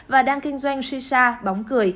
và đang kinh doanh suy sa bóng cười